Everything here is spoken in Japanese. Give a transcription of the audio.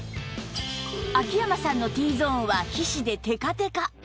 秋山さんの Ｔ ゾーンは皮脂でテカテカ